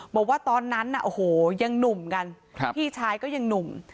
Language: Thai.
บอกว่าตอนนั้นน่ะโอ้โหยังหนุ่มกันพี่ชายก็ยังหนุ่ม